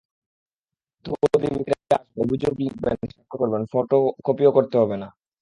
ভুক্তভোগী ব্যক্তিরা আসবেন, অভিযোগ লিখবেন, স্বাক্ষর করবেন, ফটোকপিও করতে হবে না।